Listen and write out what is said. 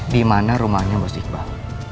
dimana rumahnya bos iqbal